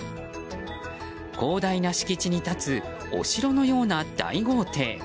広大な敷地に立つお城のような大豪邸。